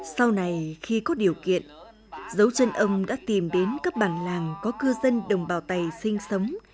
sau này khi có điều kiện dấu chân ông đã tìm đến các bản làng có cư dân đồng bào tày sinh sống